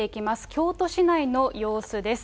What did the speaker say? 京都市内の様子です。